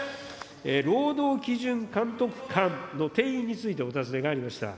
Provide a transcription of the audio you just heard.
労働基準監督官の定員についてお尋ねがありました。